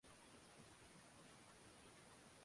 语言创建会议主办。